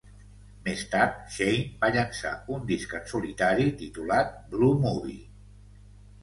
Més tard, Shane va llançar un disc en solitari titulat "Blue Movie".